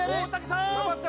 頑張って！